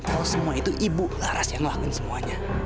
kalau semua itu ibu laras yang ngelakuin semuanya